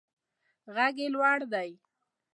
غږ یې لوړ دی.